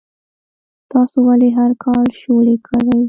تاسو ولې هر کال شولې کرئ؟